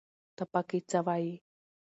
ته پکې څه وايې